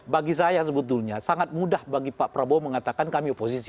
bagi saya sebetulnya sangat mudah bagi pak prabowo mengatakan kami oposisi